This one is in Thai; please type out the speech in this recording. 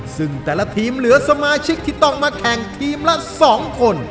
ซึ่งแต่ละทีมเหลือสมาชิกที่ต้องมาแข่งทีมละ๒คน